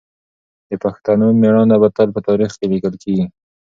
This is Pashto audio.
د پښتنو مېړانه به تل په تاریخ کې لیکل کېږي.